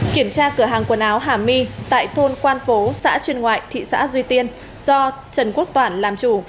kiểm tra cửa hàng quần áo hà my tại thôn quan phố xã chuyên ngoại thị xã duy tiên do trần quốc toản làm chủ